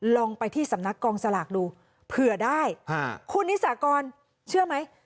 ลองไปที่สำนักกองสลากดูเผื่อได้คุณนิสากรเชื่อไหม